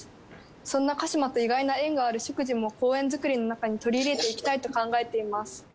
そんな鹿嶋と意外な縁がある植樹も公園づくりのなかに取り入れていきたいと考えています。